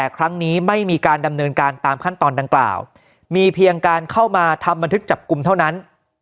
ครั้งนี้ไม่มีการดำเนินการตามขั้นตอนดังกล่าวมีเพียงการเข้ามาทำบันทึกจับกลุ่มเท่านั้น